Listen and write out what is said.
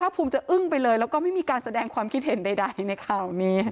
ภูมิจะอึ้งไปเลยแล้วก็ไม่มีการแสดงความคิดเห็นใดในข่าวนี้